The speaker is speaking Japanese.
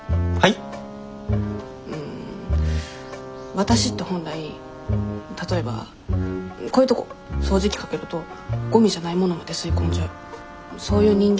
わたしって本来例えばこういうとこ掃除機かけるとゴミじゃないものまで吸い込んじゃうそういう人間っていうか。